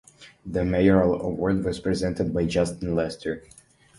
The Mayoral Award was presented by Justin Lester.